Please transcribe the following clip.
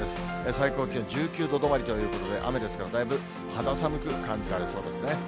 最高気温１９度止まりということで、雨ですから、だいぶ肌寒く感じられそうですね。